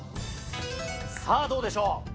さあどうでしょう？